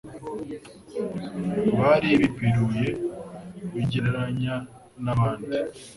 Bari bipiruye bigereranya ku bandi,